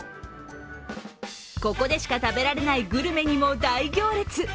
ここでしか食べられないグルメにも大行列。